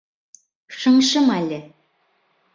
— Шыңшыма әле.